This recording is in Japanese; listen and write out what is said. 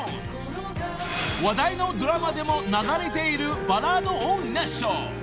［話題のドラマでも流れているバラードを熱唱］